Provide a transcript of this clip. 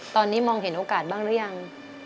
ตอนนี้มองเห็นโอกาสบ้างหรือยัง